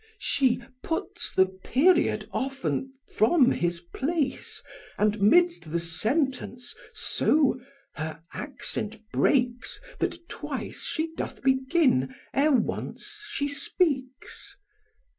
She puts the period often from his place; And midst the sentence so her accent breaks, That twice she doth begin ere once she speaks.